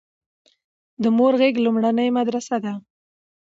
د مور غيږ لومړنۍ مدرسه ده